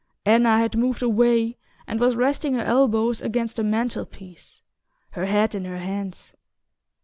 Anna had moved away and was resting her elbows against the mantel piece, her head in her hands.